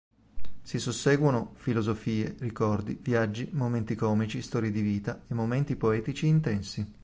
Si susseguono filosofie, ricordi, viaggi, momenti comici, storie di vita, e momenti poetici intensi.